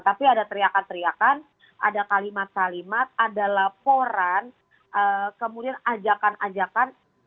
tapi ada teriakan teriakan ada kalimat kalimat ada laporan kemudian ajakan ajakan